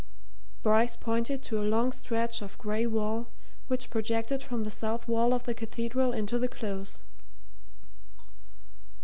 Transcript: Bryce pointed to a long stretch of grey wall which projected from the south wall of the Cathedral into the Close.